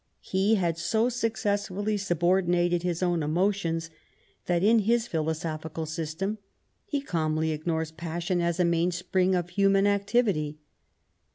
He had «o successfully subordinated his own emotions, that in his philosophical system he calmly ignores passion as a mainspring of human activity.